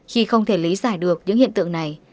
chị không thể lý giải được những hiện tượng này